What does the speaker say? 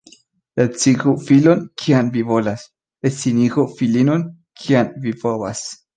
Edzigu filon, kiam vi volas, — edzinigu filinon, kiam vi povas.